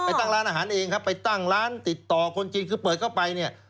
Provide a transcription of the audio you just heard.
ตั้งร้านอาหารเองครับไปตั้งร้านติดต่อคนจีนคือเปิดเข้าไปเนี่ย